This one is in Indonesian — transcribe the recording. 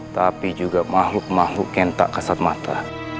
tapi juga makhluk makhluk yang tak kasat mata